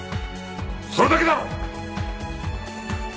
それだけだ！